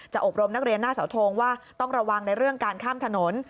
อบรมนักเรียนหน้าเสาทงว่าต้องระวังในเรื่องการข้ามถนน